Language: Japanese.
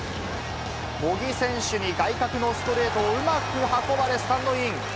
茂木選手に外角のストレートをうまく運ばれ、スタンドイン。